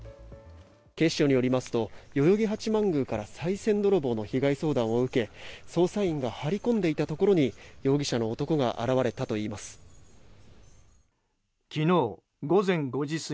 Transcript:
警視庁によりますと代々木八幡宮からさい銭泥棒の被害相談を受け捜査員が張り込んでいたところに容疑者の男が現れたといいます。